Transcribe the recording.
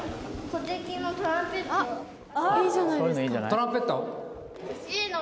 トランペット？